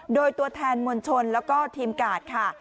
โดยตัวแทนมวลชนแล้วก็ทีมกาดค่ะ